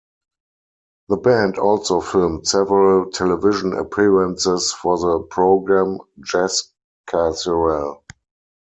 The band also filmed several television appearances for the program "Jazz Casual".